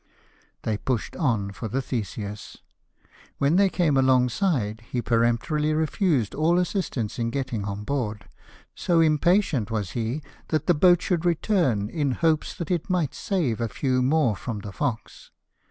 They pushed on for the Theseus. When they came alongside he peremptorily refused all assistance in getting on board, so impatient was he that the boat should return, in hopes that it might save a few more from the Fox.